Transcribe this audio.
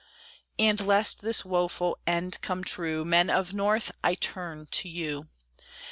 And, lest this woful end come true, Men of the North, I turn to you.